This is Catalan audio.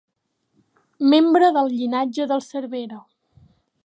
Membre del llinatge dels Cervera.